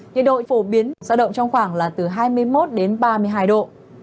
nhiệt độ phổ biến giao động trong khoảng là từ hai mươi một đến ba mươi hai độ